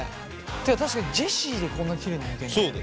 確かにジェシーでこんなきれいにむけるんだ。